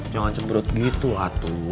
jangan cebrut gitu atu